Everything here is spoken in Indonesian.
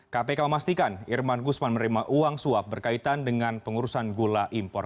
kpk memastikan irman gusman menerima uang suap berkaitan dengan pengurusan gula impor